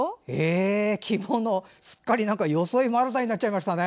すっかり装いも新たになっちゃいましたね。